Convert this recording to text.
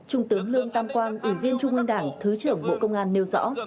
trung tướng lương tam quang ủy viên trung ương đảng thứ trưởng bộ công an nêu rõ